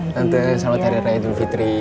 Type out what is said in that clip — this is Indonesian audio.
tante selamat hari raya dulu fitri